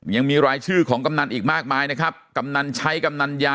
ยังมีรายชื่อของกำนันอีกมากมายนะครับกำนันใช้กำนันยา